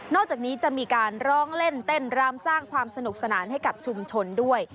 อกจากนี้จะมีการร้องเล่นเต้นรำสร้างความสนุกสนานให้กับชุมชนด้วย